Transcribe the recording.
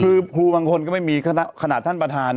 คือครูบางคนก็ไม่มีขนาดท่านประธาน